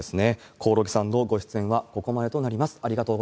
興梠さんのご出演はここまでとなります。